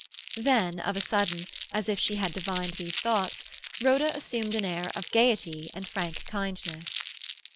Then of a sudden, as it she had divined these thoughts, Rhoda assumed an air of gaiety of frank kindness.